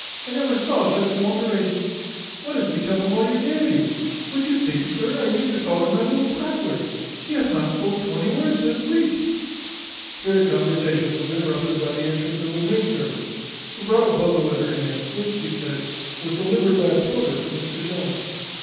I never saw such an alteration. What is become of all your gaiety? Would you think, sir, I used to call her my little prattler? She hath not spoke twenty words this week." Here their conversation was interrupted by the entrance of a maid servant, who brought a bundle in her hand, which, she said, "was delivered by a porter for Mr Jones."